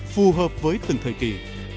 phù hợp với từng thời kỳ